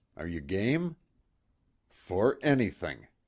Are you game?" "For anything!"